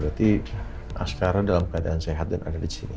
berarti askara dalam keadaan sehat dan ada di sini